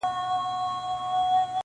دپښتون په تور وهلی هر دوران دی,